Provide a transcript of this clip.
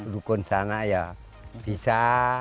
duduk di sana ya bisa